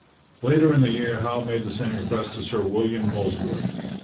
Later in the year Howe made the same request to Sir William Molesworth.